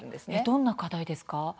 どんな課題ですか？